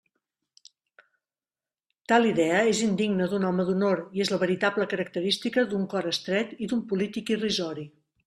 Tal idea és indigna d'un home d'honor i és la veritable característica d'un cor estret i d'un polític irrisori.